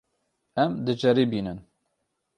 Em diceribînin.